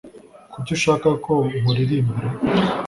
kuki ushaka ko nkuririmbira